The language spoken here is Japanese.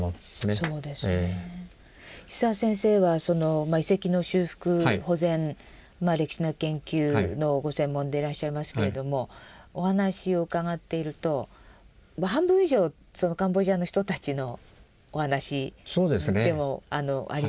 石澤先生は遺跡の修復保全歴史の研究のご専門でいらっしゃいますけれどもお話を伺っていると半分以上カンボジアの人たちのお話でもありますね。